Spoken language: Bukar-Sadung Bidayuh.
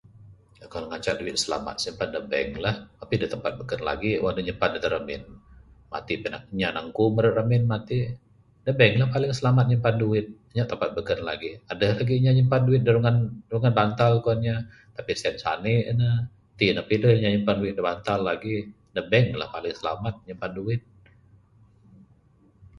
Kalau ira ngancak duit silamat, simpan da bank la. Dapih deh tampat beken lagi. Wang ne nyimpan ne da ramin, matik bin anak kinya nangku meret ramin matik. Da bank lah paling silamat nyimpan duit, nyap tampat beken lagi. Adeh lagih inya nyimpan duit da rungan rungan bantal kuan inya. Tapi sien sani ne. Iti ne dapih adeh inya nyimpan duit rungan bantal lagi. Da bank lah paling silamat nyimpan duit.